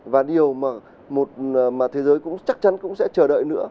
và điều mà một thế giới cũng chắc chắn cũng sẽ chờ đợi nữa